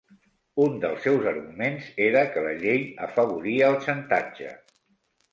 Un dels seus arguments era que la llei afavoria el xantatge.